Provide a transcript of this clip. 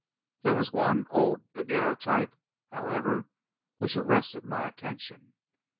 There was one old daguerreotype, however, which arrested my attention.